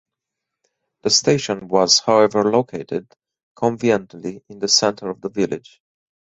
The station was however located conveniently in the centre of the village.